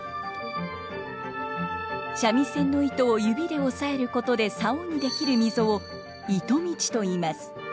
三味線の糸を指で押さえることで棹に出来る溝を糸道といいます。